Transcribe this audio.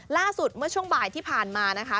ล่าสุดเมื่อช่วงบ่ายที่ผ่านมานะคะ